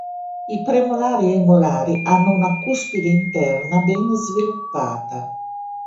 I premolari e i molari hanno una cuspide interna ben sviluppata.